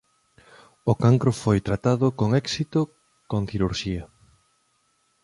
O cancro foi tratado con éxito con cirurxía.